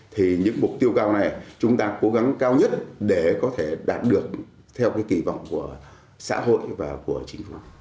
thì những mục tiêu cao này chúng ta cố gắng cao nhất để có thể đạt được theo cái kỳ vọng của xã hội và của chính phủ